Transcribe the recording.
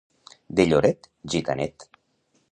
De Lloret, gitanet.